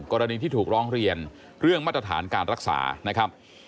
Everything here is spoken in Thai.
กรณีที่ถูกร้องเรียนเรื่องมาตรฐานการรักษานะครับ